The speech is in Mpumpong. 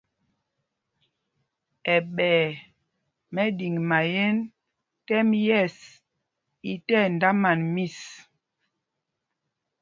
Ɛɓɛ̄y mɛɗiŋmáyēn tɛ́m yɛ̂ɛs í tí ɛdāman mis.